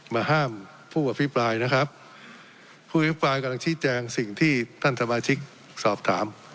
มาห้ามผู้อภิปรายนะครับผู้อภิปรายกำลังชี้แจงสิ่งที่ท่านสมาชิกสอบถาม